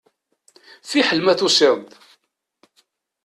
Fiḥel ma tusiḍ-d.